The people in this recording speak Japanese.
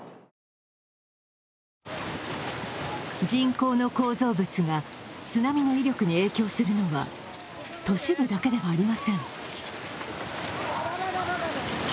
人工の構造物が津波の威力に影響するのは都市部だけではありません。